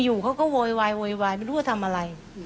อยู่เขาก็โวยวายโวยวายไม่รู้ว่าทำอะไร